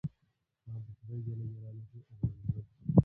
ما به خداى جل جلاله اول نؤمره کي.